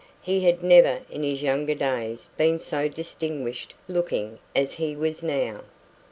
He had never in his younger days been so distinguished looking as he was now.